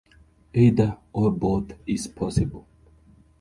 Either, or both, is possible.